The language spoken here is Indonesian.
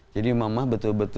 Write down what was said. jadi mama betul betul